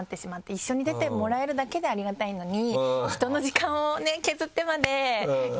一緒に出てもらえるだけでありがたいのに。